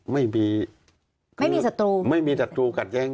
ไม่มีศัตรูกัดแย้งกัน